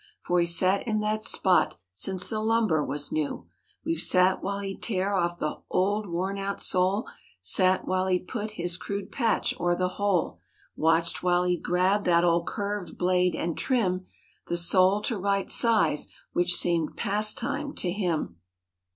For he'd sat in that spot since the lumber was new. We've sat while he'd tear off the old worn out sole; Sat while he'd put his crude patch o'er the hole; Watched while he'd grab that old curved "blade" and trim The sole to right size—which seemed past time to him.